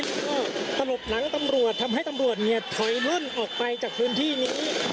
ก็ตลบหลังตำรวจทำให้ตำรวจเนี่ยถอยล่นออกไปจากพื้นที่นี้